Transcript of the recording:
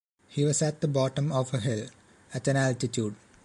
He was at the bottom of a hill, at an altitude.